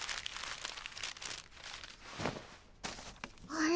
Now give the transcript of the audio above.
あれ？